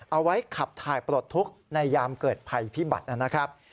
เอาไว้ขับถ่ายปลดทุกข์ในยามเกิดภัยพิบัตินะครับ